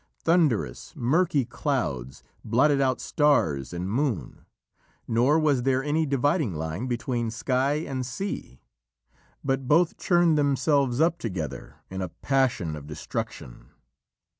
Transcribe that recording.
Thunderous, murky clouds blotted out stars and moon, nor was there any dividing line between sky and sea, but both churned themselves up together in a passion of destruction.